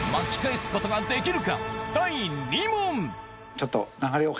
ちょっと。